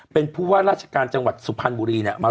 เป็นผู้ว่าราชการจังหวัดสุพรรณบุรีเนี่ย